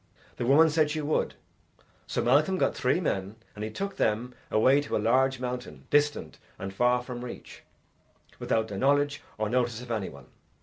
The woman said she would, so Malcolm got three men, and he took them away to a large mountain, distant and far from reach, without the knowledge or notice of any one.